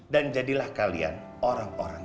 dan jadilah kalian orang orang lain